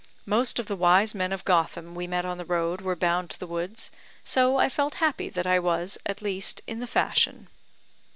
Most of the wise men of Gotham we met on the road were bound to the woods; so I felt happy that I was, at least, in the fashion.